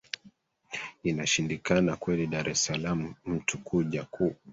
i na shindikana kweli dar es salaam mtu kuja ku